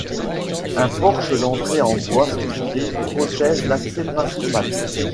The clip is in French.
Un porche d'entrée en bois sculpté protège l'accès principal.